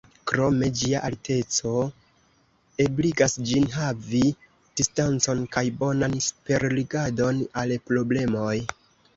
Krome, ĝia alteco ebligas ĝin havi distancon kaj bonan superrigardon al problemoj.